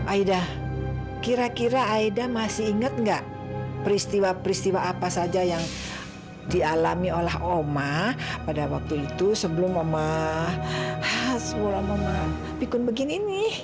aida kira kira aida masih inget nggak peristiwa peristiwa apa saja yang dialami oleh oma pada waktu itu sebelum oma pikun begini